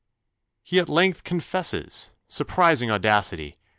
"He at length confesses! Surprising audacity!